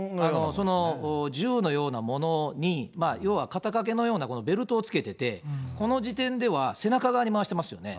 その銃のようなものに、要は肩掛けのようなベルトをつけてて、この時点では、背中側に回していますよね。